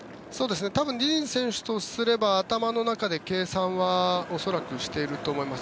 多分ディニズ選手とすれば頭の中で計算は恐らくしていると思います。